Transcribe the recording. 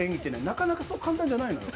なかなか、そう簡単じゃないのよ。